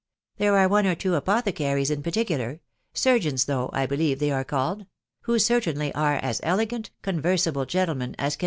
There or two apothecaries in particular,— surgeons, though, 1: TftE WIDOW BABNABF. 287 they are called, — who certainly are as elegant, conversable gentlemen, as can ?